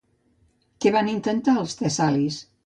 Què van intentar els tessalis?